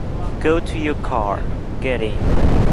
Go to your car, get in.